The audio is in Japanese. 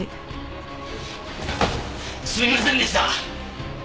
すみませんでした！